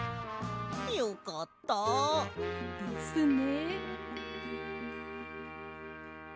よかった。ですね。